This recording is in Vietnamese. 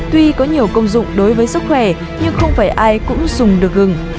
tuy có nhiều công dụng đối với sức khỏe nhưng không phải ai cũng dùng được gừng